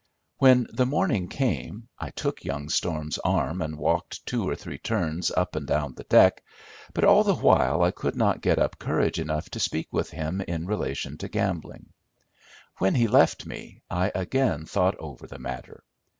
When the morning came, I took young Storm's arm and walked two or three turns up and down the deck, but all the while I could not get up courage enough to speak with him in relation to gambling. When he left me, I again thought over the matter.